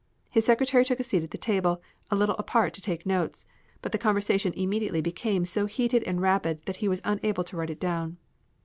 His secretary took a seat at the table, a little apart to take notes, but the conversation immediately became so heated and rapid that he was unable to write it down.